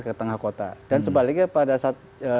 ke tengah kota dan sebaliknya pada saat